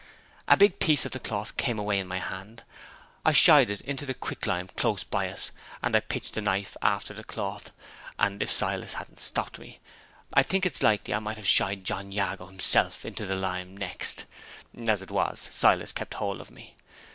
A big piece of the cloth came away in my hand. I shied it into the quicklime close by us, and I pitched the knife after the cloth; and, if Silas hadn't stopped me, I think it's likely I might have shied John Jago himself into the lime next. As it was, Silas kept hold of me.